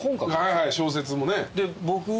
小説もね。